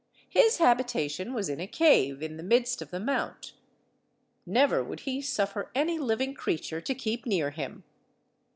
His habitation was in a cave in the midst of the Mount. Never would he suffer any living creature to keep near him.